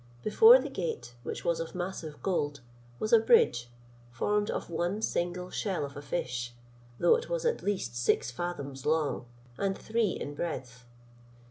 Before the gate, which was of massive gold, was a bridge, formed of one single shell of a fish, though it was at least six fathoms long, and three in breadth.